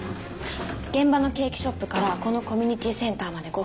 現場のケーキショップからこのコミュニティーセンターまで５分。